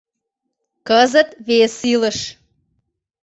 Кызыт вес илыш...